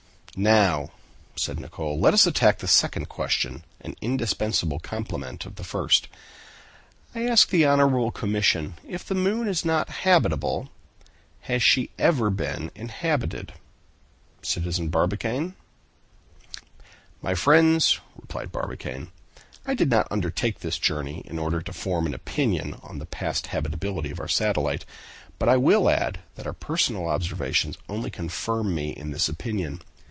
"Now," said Nicholl, "let us attack the second question, an indispensable complement of the first. I ask the honorable commission, if the moon is not habitable, has she ever been inhabited, Citizen Barbicane?" "My friends," replied Barbicane, "I did not undertake this journey in order to form an opinion on the past habitability of our satellite; but I will add that our personal observations only confirm me in this opinion.